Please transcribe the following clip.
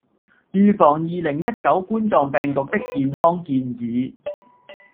預防二零一九冠狀病毒病的健康建議